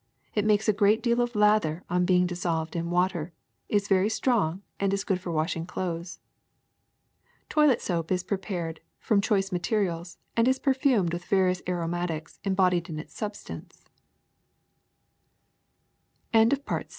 It makes a great deal of lather on being dis solved in water, is very strong, and is good for wash ing clothes. *^ Toilet soap is prepared from choice materials and is perfumed with various aromatics embodie